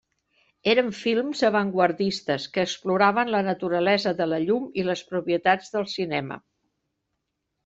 Eren films avantguardistes que exploraven la naturalesa de la llum i les propietats del cinema.